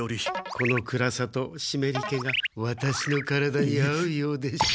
この暗さとしめり気がワタシの体に合うようでして。